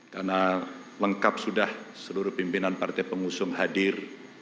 karena lengkap sudah seluruh pimpinan partai pengusung hadir